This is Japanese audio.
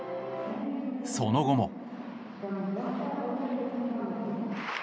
その後も。